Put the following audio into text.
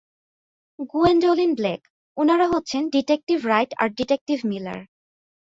Gwendolyn Blake, ওনারা হচ্ছেন detective Wright আর ডিটেকটিভ মিলার।